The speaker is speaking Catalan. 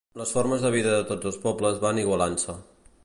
Les formes de vida de tots els pobles van igualant-se.